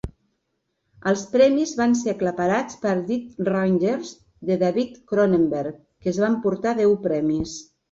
Els premis van ser aclaparats per "Dead Ringers" de David Cronenberg, que es va emportar deu premis.